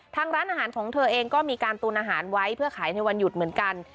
ร้านอาหารของเธอเองก็มีการตุนอาหารไว้เพื่อขายในวันหยุดเหมือนกัน